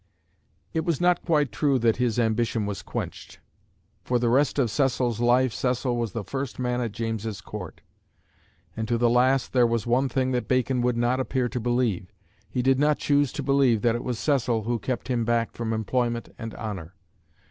It was not quite true that his "ambition was quenched." For the rest of Cecil's life Cecil was the first man at James's Court; and to the last there was one thing that Bacon would not appear to believe he did not choose to believe that it was Cecil who kept him back from employment and honour.